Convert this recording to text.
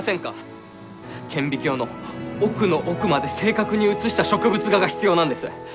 顕微鏡の奥の奥まで正確に写した植物画が必要なんです！